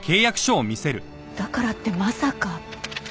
だからってまさか！